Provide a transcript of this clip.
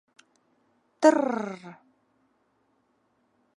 Тр-р-р!